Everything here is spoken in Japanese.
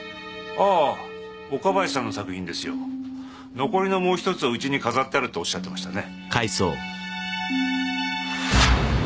あぁ岡林さんの作品ですよ残りのもう１つをうちに飾ってあるとおっしゃってましたね